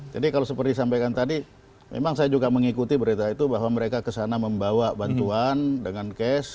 jadi kalau seperti disampaikan tadi memang saya juga mengikuti berita itu bahwa mereka ke sana membawa bantuan dengan cash